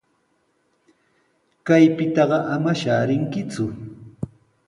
Kaypitaqa ama shaarinkiku.